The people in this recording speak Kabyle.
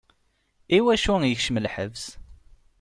I wacu i yekcem lḥebs?